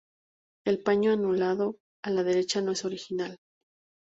El paño anudado, a la derecha, no es original.